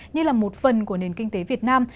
như là một phần của nền kinh tế việt nam